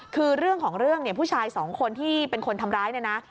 คือเรื่องของเรื่องเนี่ยผู้ชายสองคนที่เป็นคนทำร้ายเนี่ยนะ